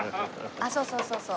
ああそうそうそうそう。